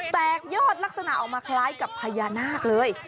แตกยอดลักษณะออกมาคล้ายกับพญานาคเลย